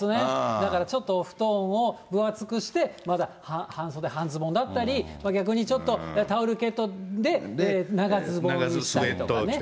だからちょっとお布団を分厚くして、まだ半袖、半ズボンだったり、逆にちょっとタオルケットで長ズボンしたり。